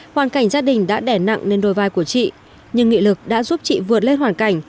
hoàn cảnh gia đình đã đẻ nặng nên đôi vai của chị nhưng nghị lực đã giúp chị vượt lên hoàn cảnh